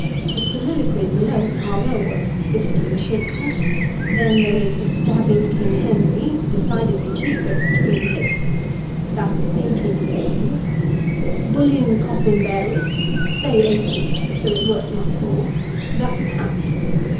The soliloquies alone are well worth fifteen shillings ; then there is the stabbing King Henry decidedly cheap at three and sixpence, that's eighteen and sixpence ; bullying the coffin bearers say eighteen pence, though it's worth much more that's a pound.